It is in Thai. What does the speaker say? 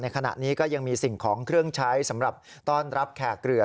ขณะนี้ก็ยังมีสิ่งของเครื่องใช้สำหรับต้อนรับแขกเรือ